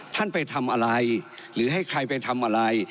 ท่านไปทำอะไรหรือให้ใครไปทำอะไร